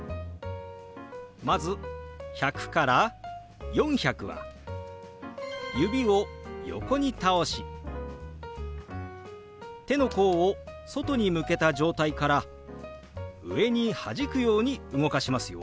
まず１００から４００は指を横に倒し手の甲を外に向けた状態から上にはじくように動かしますよ。